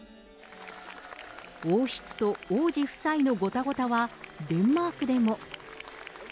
王室と王子夫妻のごたごたは、デンマークでも。